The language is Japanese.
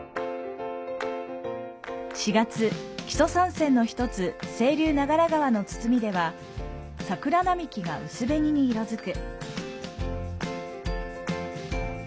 ４月、木曽三川の１つ、清流、長良川の堤では桜並木が薄紅に色づく。